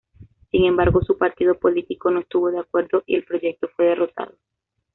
Sin embargo su partido político no estuvo de acuerdo y el proyecto fue derrotado.